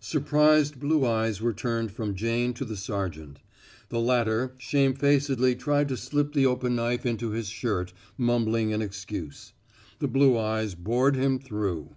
Surprised blue eyes were turned from Jane to the sergeant. The latter shamefacedly tried to slip the open knife into his blouse, mumbling an excuse. The blue eyes bored him through.